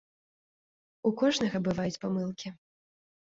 У кожнага бываюць памылкі.